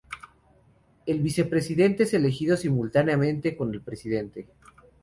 El vicepresidente es elegido simultáneamente con el presidente.